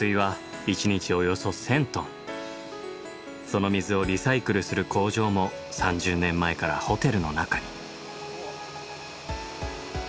その水をリサイクルする工場も３０年前からホテルの中に。